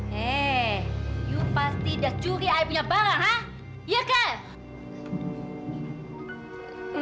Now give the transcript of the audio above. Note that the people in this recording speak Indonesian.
hei kamu pasti sudah mencuri barang ayah ya kan